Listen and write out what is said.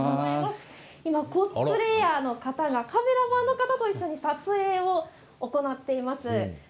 今、コスプレーヤーの方がカメラマンの方と一緒に撮影を行っています。